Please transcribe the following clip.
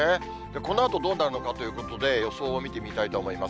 このあとどうなるのかということで、予想を見てみたいと思います。